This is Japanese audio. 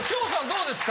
どうですか？